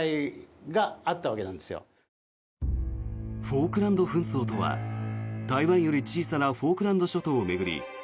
フォークランド紛争とは台湾より小さなフォークランド諸島を巡り